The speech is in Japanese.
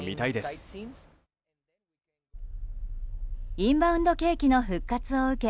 インバウンド景気の復活を受け